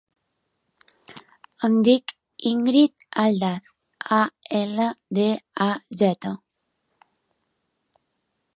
Em dic Íngrid Aldaz: a, ela, de, a, zeta.